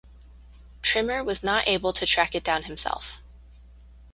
Trimmer was not able to track it down himself.